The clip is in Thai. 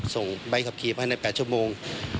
ส่งใบขับขี่ภายใน๘ชั่วโมง